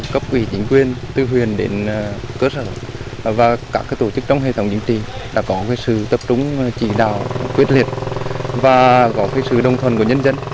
cấp quỷ chính quyền từ huyền đến cơ sở và các tổ chức trong hệ thống chính trị đã có sự tập trung chỉ đạo quyết liệt và có sự đồng thuận của nhân dân